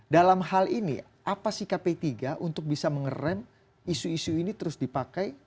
dalam hal ini apa sikap p tiga untuk bisa mengeram isu isu ini terus dipakai